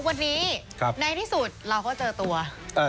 วันนี้ในที่สุดเราก็เจอตัว